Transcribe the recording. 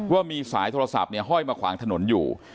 ว่ามีสายโทรศัพท์ห้อยมาขวางถนนอยู่